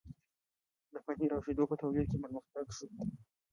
د پنیر او شیدو په تولید کې پرمختګ شو.